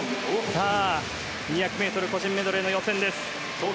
２００ｍ個人メドレーの予選です。